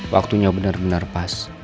waktunya bener bener pas